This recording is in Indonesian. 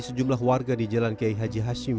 sejumlah warga di jalan kiai haji hashim